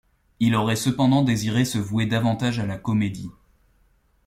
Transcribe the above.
Il aurait cependant désiré se vouer davantage à la comédie.